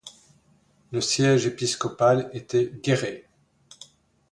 Le siège épiscopal était Guéret.